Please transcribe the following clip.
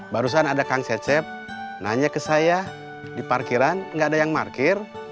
barusan ada kang cecep nanya ke saya di parkiran nggak ada yang parkir